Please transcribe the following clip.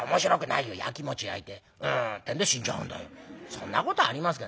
「そんなことありますか？」。